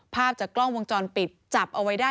ภาพจากกล้องวงจรปิดจับเอาไว้ได้